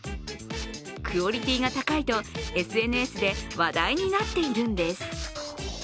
クオリティが高いとＳＮＳで話題になっているんです。